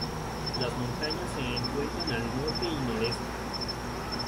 Las montañas se encuentran al norte y noreste.